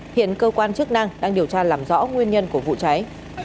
hiện cơ quan chức năng đang điều tra làm rõ nguyên nhân của vụ cháy